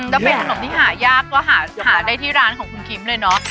ถ้าเป็นขนมที่หายากก็หาได้ที่ร้านของคุณคิมเลยเนาะ